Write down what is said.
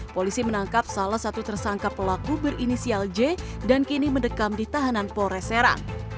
polisi menangkap salah satu tersangka pelaku berinisial j dan kini mendekam di tahanan polres serang